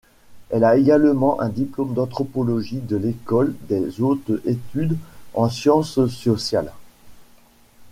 Elle a également un diplôme d'anthropologie de l'École des hautes études en sciences sociales.